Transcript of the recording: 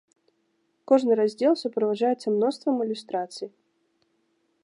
Кожны раздзел суправаджаецца мноствам ілюстрацый.